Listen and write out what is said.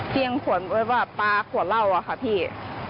เพี้ยงขวดมึงเขาว่าปลากว่าเล่าอะคะพี่